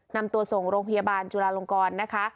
นำตัวส่งโรงพยาบาลจุลาลงกรนะคะ